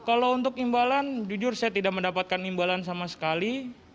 kalau untuk imbalan jujur saya tidak mendapatkan imbalan sama sekali